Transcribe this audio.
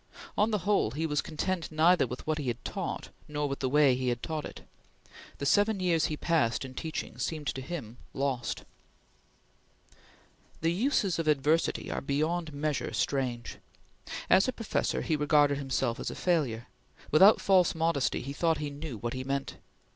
On the whole, he was content neither with what he had taught nor with the way he had taught it. The seven years he passed in teaching seemed to him lost. The uses of adversity are beyond measure strange. As a professor, he regarded himself as a failure. Without false modesty he thought he knew what he meant.